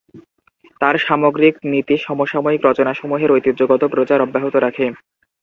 তাঁর সামগ্রিক নীতি সমসাময়িক রচনাসমূহের ঐতিহ্যগত প্রচার অব্যাহত রাখে।